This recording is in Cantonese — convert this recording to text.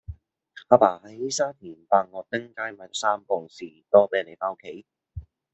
亞爸喺沙田白鶴汀街買左三磅士多啤梨返屋企